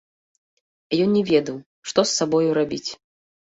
Ён не ведаў, што з сабою рабіць.